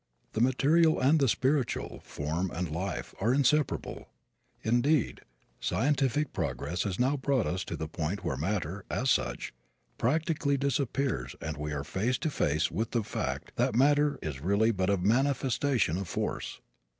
The material and the spiritual, form and life, are inseparable. Indeed, scientific progress has now brought us to the point where matter, as such, practically disappears and we are face to face with the fact that matter is really but a manifestation of force.